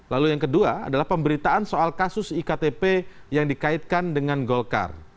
lalu yang kedua adalah pemberitaan soal kasus iktp yang dikaitkan dengan golkar